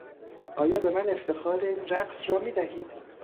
آیا به من افتخار این رقص را میدهید؟